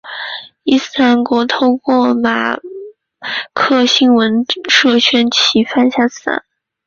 伊斯兰国透过阿马克新闻社宣称其犯下此案。